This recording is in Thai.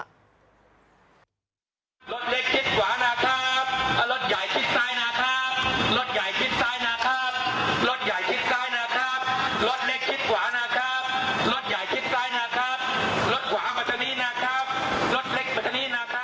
รถเล็กชิดขวานะครับรถใหญ่ชิดซ้ายนะครับ